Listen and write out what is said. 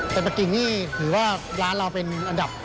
แต่ปะกิ่งนี่ถือว่าร้านเราเป็นอันดับ